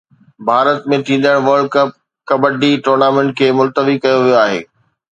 ڀارت ۾ ٿيندڙ world cup kabaddi tournament کي ملتوي ڪيو ويو آهي